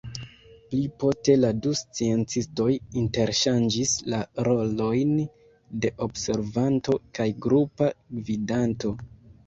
Pli poste la du sciencistoj interŝanĝis la rolojn de observanto kaj grupa gvidanto.